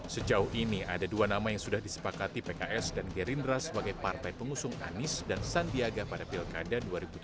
sejauh ini ada dua nama yang sudah disepakati pks dan gerindra sebagai partai pengusung anies dan sandiaga pada pilkada dua ribu tujuh belas